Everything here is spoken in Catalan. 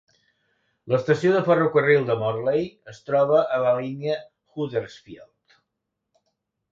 L'estació de ferrocarril de Morley es troba a la línia Huddersfield.